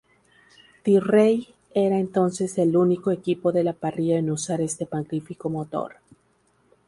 Tyrrell era entonces el único equipo de la parrilla en usar este magnífico motor.